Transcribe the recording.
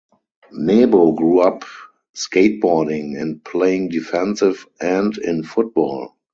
Nebo grew up skateboarding and playing defensive end in football.